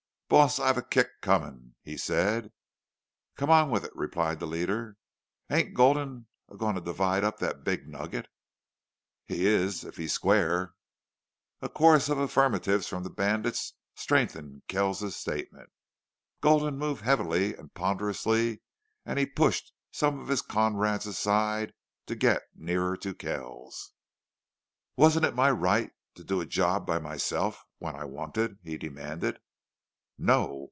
"Boss, I've a kick comin'," he said. "Come on with it," replied the leader. "Ain't Gulden a goin' to divide up thet big nugget?" "He is if he's square." A chorus of affirmatives from the bandits strengthened Kells's statement. Gulden moved heavily and ponderously, and he pushed some of his comrades aside to get nearer to Kells. "Wasn't it my right to do a job by myself when I wanted?" he demanded. "No.